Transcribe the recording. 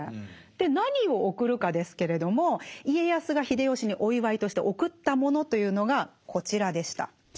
何を贈るかですけれども家康が秀吉にお祝いとして贈ったものというのがこちらでした。